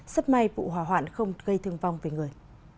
sắp may vụ hỏa hoạn không gây thương vong về người